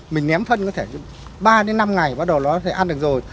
mình ném phân có thể ba đến năm ngày bắt đầu nó sẽ ăn được rồi